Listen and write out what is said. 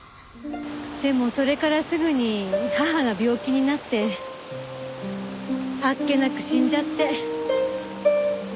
でもそれからすぐに母が病気になってあっけなく死んじゃって。